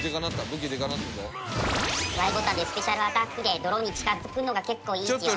Ｙボタンでスペシャルアタックでドローンに近づくのが結構いいッチよ。